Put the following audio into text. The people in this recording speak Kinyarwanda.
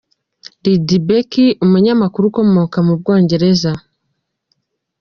Lydia Becker, umunyamakuru ukomoka mu bwongereza .